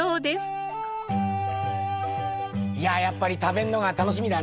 やっぱり食べんのが楽しみだね。